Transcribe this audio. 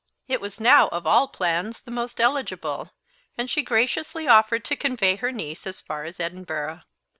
It was now, of all plans, the most eligible; and she graciously offered to convey her niece as far as Edinburgh.